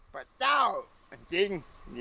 พระเจ้าอันจริง